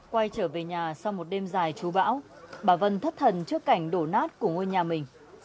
quay trở về nhà sau một đêm dài chú bão bà vân thất thần trước cảnh đổ nát của ngôi nhà mình